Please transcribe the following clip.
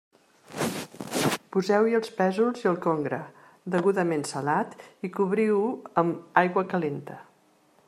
Poseu-hi els pèsols i el congre, degudament salat, i cobriu-ho amb aigua calenta.